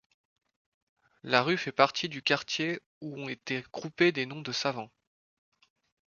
La rue fait partie du quartier où ont été groupés des noms de savants.